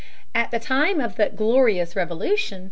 At the time of the "Glorious Revolution" (p.